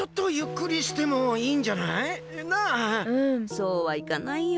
そうはいかないよ。